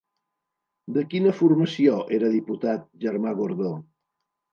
De quina formació era diputat Germà Gordó?